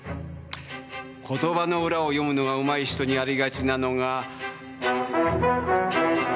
言葉の裏を読むのがうまい人にありがちなのが。